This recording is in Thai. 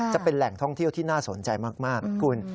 จะเป็นแหล่งท่องเที่ยวที่น่าสนใจมากนะคุณ